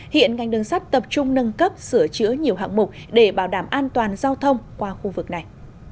hiện ngành đường sắt tập trung nâng cấp sửa chữa nhiều hạng mục để bảo đảm an toàn giao thông qua khu vực này